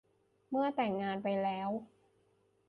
หรือแต่งงานไปแล้ว